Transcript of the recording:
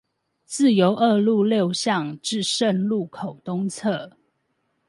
自由二路六巷至聖路口東側